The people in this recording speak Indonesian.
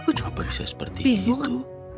kenapa bisa seperti itu